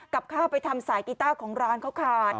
กับข้าวไปทำสายกีต้าของร้านเขาขาด